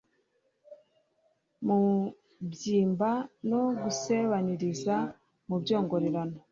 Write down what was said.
mubyimba no gusebaniriza mu byongorerano